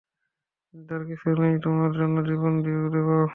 চিন্তার কিছু নেই, তোমার জন্য জীবনও দিয়ে দেবো।